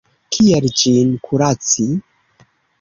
Kiel ĝin kuraci?